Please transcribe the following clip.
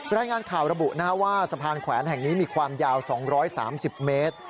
รายงานข่าวระบุว่าสะพานแขวนแห่งนี้มีความยาว๒๓๐เมตร